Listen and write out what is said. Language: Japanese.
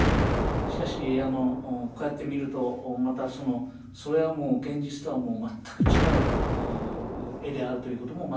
しかしこうやって見るとまたそのそれはもう現実とは全く違う絵であるということもまた分かるわけです。